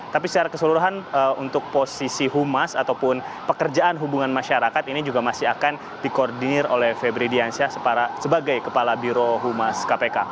tapi secara keseluruhan untuk posisi humas ataupun pekerjaan hubungan masyarakat ini juga masih akan dikoordinir oleh febri diansyah sebagai kepala biro humas kpk